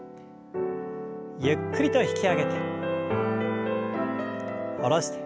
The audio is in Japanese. ゆっくりと引き上げて下ろして。